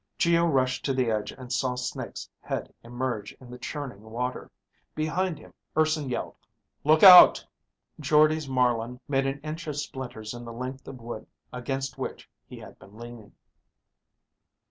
Geo rushed to the edge and saw Snake's head emerge in the churning water. Behind him, Urson yelled, "Look out!" Jordde's marlin made an inch of splinters in the length of wood against which he had been leaning.